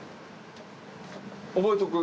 覚えとく？